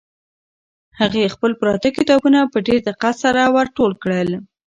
هغې خپل پراته کتابونه په ډېر دقت سره ور ټول کړل.